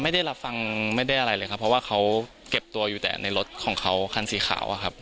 ไม่ได้รับฟังไม่ได้อะไรเลยครับเพราะว่าเขาเก็บตัวอยู่แต่ในรถของเขาคันสีขาวอะครับ